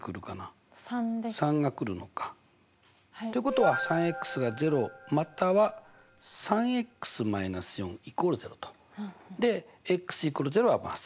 ３。３が来るのか。ということは３が０または３−で＝０は正解と。